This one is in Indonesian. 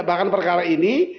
bahkan perkara ini